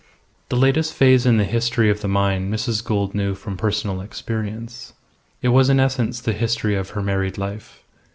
The latest phase in the history of the mine Mrs. Gould knew from personal experience. It was in essence the history of her married life.